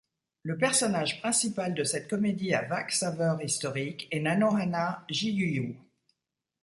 Le personnage principal de cette comédie à vague saveur historique est Nanohana Jiyu.